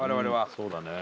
そうだね。